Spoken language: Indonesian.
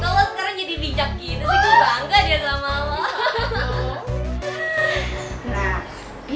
kalo sekarang jadi dijagpor dia sloppy